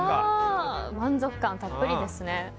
満足感たっぷりですね。